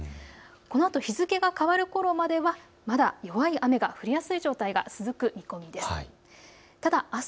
このあと日付が変わるころまでは弱い雨が降りやすい状態が続く見込みです。